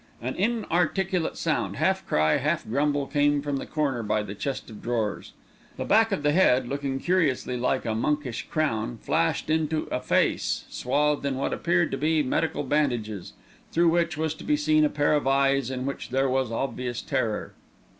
An inarticulate sound, half cry, half grumble, came from the corner by the chest of drawers. The back of the head, looking curiously like a monkish crown, flashed into a face, swathed in what appeared to be medical bandages, through which was to be seen a pair of eyes in which there was obvious terror.